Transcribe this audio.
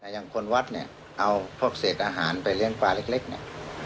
อย่างคนวัดเนี่ยเอาพวกเศษอาหารไปเลี้ยงปลาเล็กเนี่ย